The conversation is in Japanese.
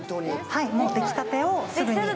はい、もう出来たてをすぐに。